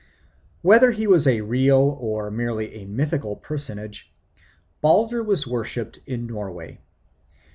Whether he was a real or merely a mythical personage, Balder was worshipped in Norway.